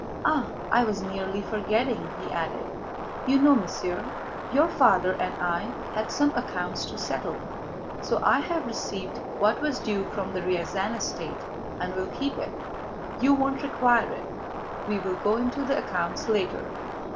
Ah! I was nearly forgetting," he added. "You know, mon cher, your father and I had some accounts to settle, so I have received what was due from the Ryazán estate and will keep it; you won't require it. We'll go into the accounts later."